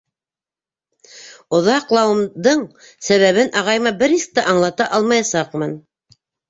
Оҙаҡ- лауымдың сәбәбен ағайыма бер нисек тә аңлата алмаясаҡмын.